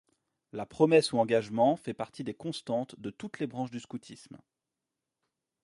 La promesse ou engagement fait partie des constantes de toutes les branches du scoutisme.